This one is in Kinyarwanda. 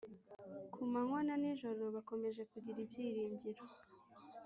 Ku manywa na nijoro bakomeje kugira ibyiringiro